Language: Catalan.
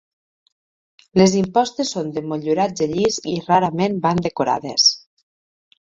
Les impostes són de motlluratge llis i rarament van decorades.